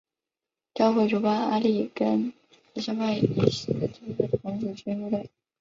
教会主办阿利根尼山脉以西的第一个童子军部队。